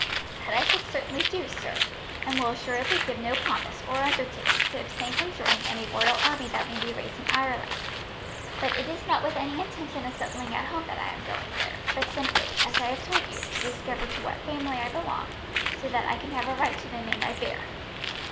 "That I should certainly do, sir; and will assuredly give no promise, or undertaking, to abstain from joining any royal army that may be raised in Ireland. But it is not with any intention of settling at home that I am going there, but simply, as I have told you, to discover to what family I belong, so that I can have a right to the name I bear."